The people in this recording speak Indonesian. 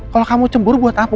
kalau kamu cemburu buat aku